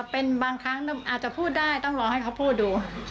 เป็นบางครั้งอาจจะพูดได้ต้องรอให้เขาพูดดู